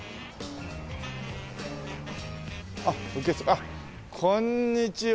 あっこんにちは。